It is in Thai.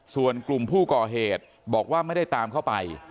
ส่วนกลุ่มผู้ก่อเหตุบอกว่าไม่ได้ตามเข้าไป